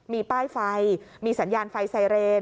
มีป้ายไฟมีสัญญาณไฟไซเรน